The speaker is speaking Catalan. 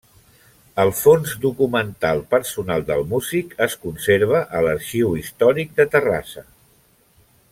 El fons documental personal del músic es conserva a l'Arxiu Històric de Terrassa.